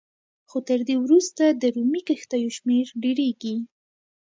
خو تر دې وروسته د رومي کښتیو شمېر ډېرېږي